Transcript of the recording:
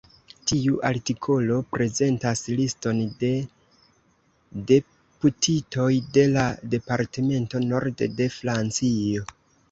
Tiu artikolo prezentas liston de deputitoj de la departemento Nord de Francio.